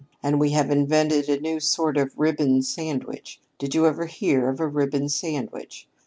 And we have invented a new sort of 'ribbon sandwich.' Did you ever hear of a ribbon sandwich?